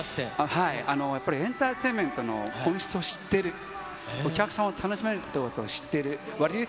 エンターテインメントの本質を知ってる、お客さんを楽しませることを知っている。